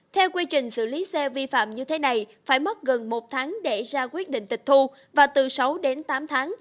theo quy trình xử lý xe vi phạm như thế này phải mất gần một tháng để ra quyết định tịch thu và từ sáu đến tám tháng